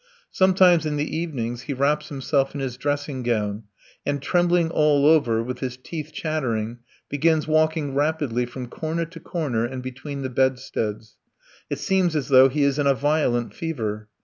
Sometimes in the evenings he wraps himself in his dressing gown, and, trembling all over, with his teeth chattering, begins walking rapidly from corner to corner and between the bedsteads. It seems as though he is in a violent fever.